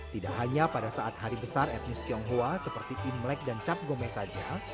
tidak hanya pada saat hari besar etnis tionghoa seperti imlek dan cap gome saja